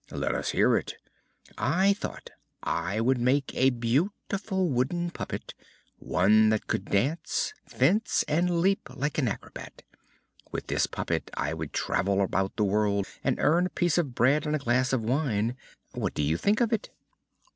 "Let us hear it." "I thought I would make a beautiful wooden puppet; one that could dance, fence, and leap like an acrobat. With this puppet I would travel about the world to earn a piece of bread and a glass of wine. What do you think of it?"